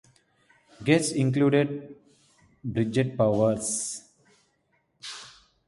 Guests included Bridget Powers.